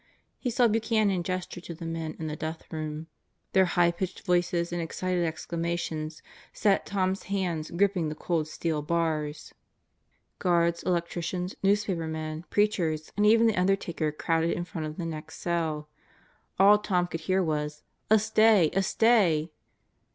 He saw Buchanan gesture to the men in the Death Room. Their high pitched voices and excited exclamations set Tom's hands gripping the cold steel bars. Guards, electricians, newspapermen, preachers, and even the undertaker crowded in front of the next cell. All Tom could hear was: "A stay! A stay!"